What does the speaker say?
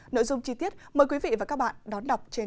nội dung chi tiết mời quý vị và các bạn đón đọc trên trang một mươi sáu